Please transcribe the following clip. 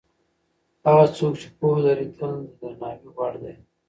هغه څوک چې پوهه لري تل د درناوي وړ دی.